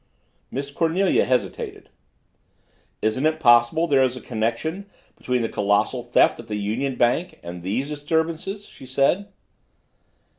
Miss Cornelia hesitated. "Isn't it possible that there is a connection between the colossal theft at the Union Bank and these disturbances?" she said.